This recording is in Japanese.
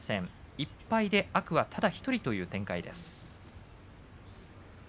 １敗で天空海ただ１人という展開です。